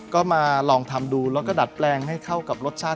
ก็มาลองทำดูแล้วก็ดัดแปลงให้เข้ากับรสชาติ